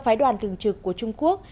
phái đoàn thường trực của trung quốc